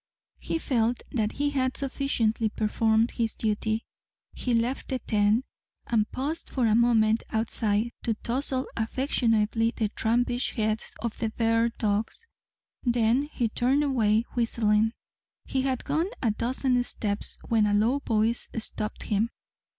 He felt that he had sufficiently performed his duty. He left the tent, and paused for a moment outside to touzle affectionately the trampish heads of the bear dogs. Then he turned away, whistling. He had gone a dozen steps when a low voice stopped him.